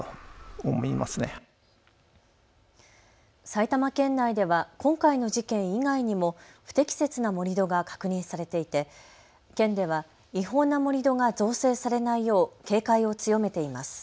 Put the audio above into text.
埼玉県内では今回の事件以外にも不適切な盛り土が確認されていて県では違法な盛り土が造成されないよう警戒を強めています。